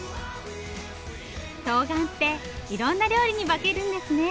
とうがんっていろんな料理に化けるんですね。